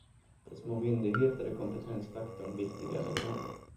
För små myndigheter är kompetensfaktorn viktig även här.